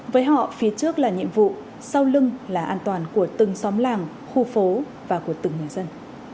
với họ phía trước là nhiệm vụ sau lưng là an toàn của từng xóm làng khu phố và của từng người dân